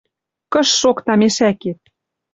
Кыш шокта мешӓкет!..